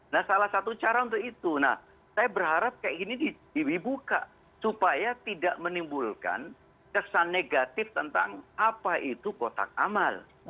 nah salah satu cara untuk itu nah saya berharap kayak gini dibuka supaya tidak menimbulkan kesan negatif tentang apa itu kotak amal